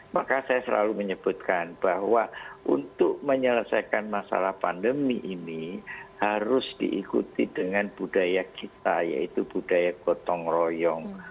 maka saya selalu menyebutkan bahwa untuk menyelesaikan masalah pandemi ini harus diikuti dengan budaya kita yaitu budaya gotong royong